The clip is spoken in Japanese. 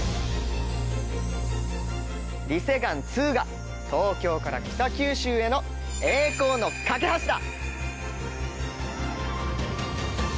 リ・セグァン２が東京から北九州への栄光の架橋だ！